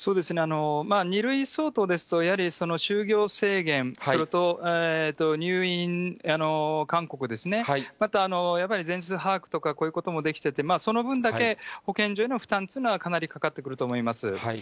２類相当ですと、やはり就業制限、それと入院勧告ですね、またやはり全数把握とか、こういうこともできてて、その分だけ、保健所への負担というのはかなりかかってくると思います。